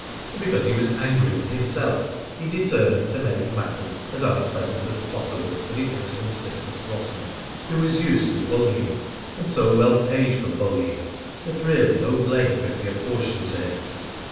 And because he was angry with himself he determined to make matters as unpleasant as possible for the innocent Mr. Slosson, who was used to bullying, and so well paid for bullying, that really no blame could be apportioned to him.